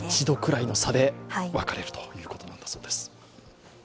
１度くらいの差で分かれるということなんだそうです。